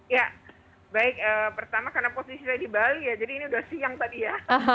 ya baik pertama karena posisi saya di bali ya jadi ini sudah siang tadi ya